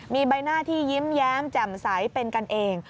มีใบหน้าที่ยิ้มแย้มแจ่มใสเป็นกันเอง